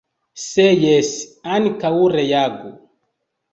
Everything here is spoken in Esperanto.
Se jes, ankaŭ reagu.